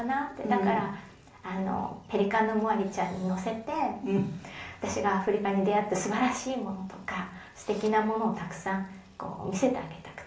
だからペリカンのムワリちゃんに乗せて私がアフリカで出合ったすばらしいものとかすてきなものをたくさん見せてあげたくて。